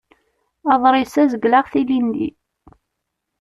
Aḍris-a zegleɣ-t ilindi.